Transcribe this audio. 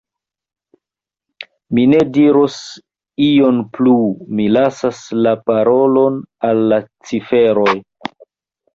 Mi ne diros ion plu; mi lasas la parolon al la ciferoj.